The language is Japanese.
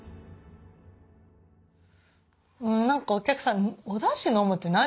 何かお客さん「おだし飲むって何？」